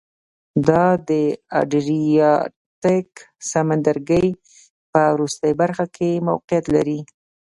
دا د ادریاتیک سمندرګي په وروستۍ برخه کې موقعیت لري